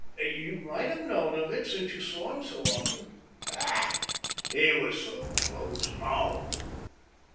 " You might have known of it, since you saw him so often." " Bah I He was so close mouthed.